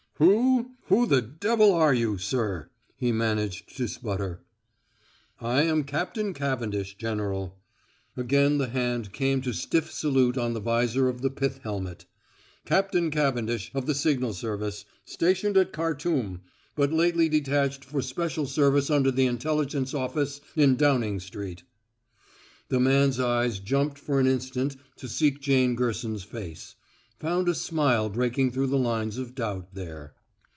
"Who who the devil are you, sir?" he managed to splutter. "I am Captain Cavendish, General." Again the hand came to stiff salute on the visor of the pith helmet. "Captain Cavendish, of the signal service, stationed at Khartum, but lately detached for special service under the intelligence office in Downing Street." The man's eyes jumped for an instant to seek Jane Gerson's face found a smile breaking through the lines of doubt there.